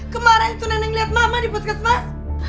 kemarin itu nenek lihat mama di puskesmas